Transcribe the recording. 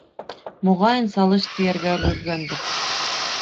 Моғайын, «салыш» тейәргә өлгөргәндер.